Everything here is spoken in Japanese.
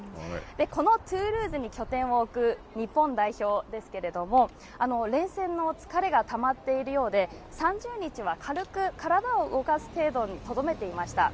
このトゥールーズに拠点を置く、日本代表ですけれども、連戦の疲れがたまっているようで、３０日は軽く体を動かす程度にとどめていました。